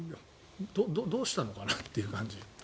どうしたのかな？という感じ。